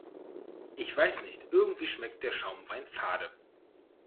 Ich weiß nicht, irgendwie schmeckt der Schaumwein fade.